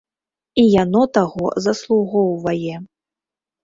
І яно таго заслугоўвае.